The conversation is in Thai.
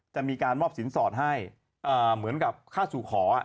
จะมีการมอบสินสอดให้เหมือนกับค่าสู่ขอ